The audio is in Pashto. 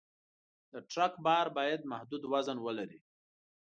د ټرک بار باید محدود وزن ولري.